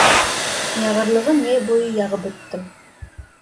Яғырлығын йәй буйы яғып бөттөм.